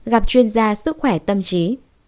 tám gặp chuyên gia sức khỏe tâm trí